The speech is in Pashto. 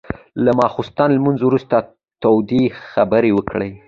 له ماخستن لمونځ وروسته تودې خبرې وکړې.